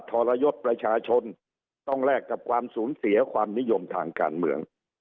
ทรยศประชาชนต้องแลกกับความสูญเสียความนิยมทางการเมือง